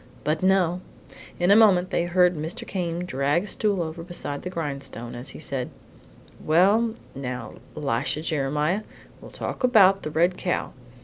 But no! In a moment they heard Mr. Came drag a stool over beside the grindstone as he said: "Well, now Elisha Jeremiah, we'll talk about the red cow.